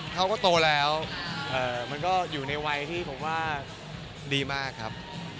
เขาก็โตแล้วมันก็อยู่ในวัยที่ผมว่าดีมากครับ